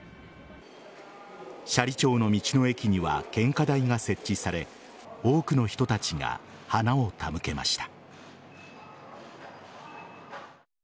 斜里町の道の駅には献花台が設置され多くの人たちが花を手向けました。